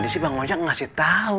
tadi sih bang ojek ngasih tau